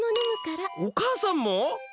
お母さんも？